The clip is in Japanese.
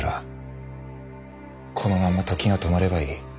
このまま時が止まればいい。